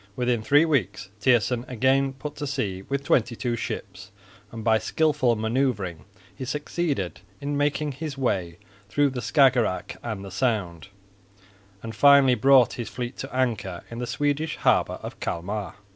Within three weeks Thijssen again put to sea with twenty two ships, and by skilful manoeuvring he succeeded in making his way through the Skagerak and the Sound, and finally brought his fleet to anchor in the Swedish harbour of Calmar.